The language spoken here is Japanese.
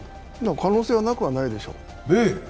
可能性はなくはないでしょ。